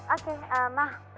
oke eh mah